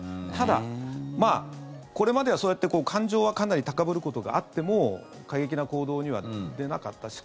ただ、これまではそうやって感情はかなり高ぶることがあっても過激な行動には出なかった。